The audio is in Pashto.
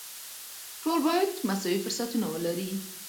ټول باید مساوي فرصتونه ولري.